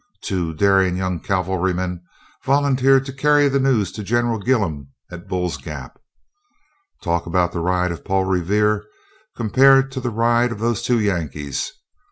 Two daring young cavalrymen volunteered to carry the news to General Gillem at Bull's Gap. Talk about the ride of Paul Revere, compared to the ride of those two Yankees!